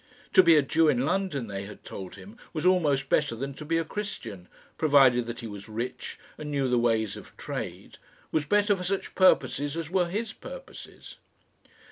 To be a Jew in London, they had told him, was almost better than to be a Christian, provided that he was rich, and knew the ways of trade was better for such purposes as were his purposes.